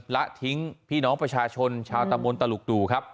ละทิ้งพี่น้องประชาชนชาวตำบลตลุกดู่ครับ